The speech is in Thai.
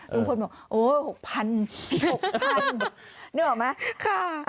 ลุงพลบอกโอ้๖๐๐๖๐๐นึกออกไหม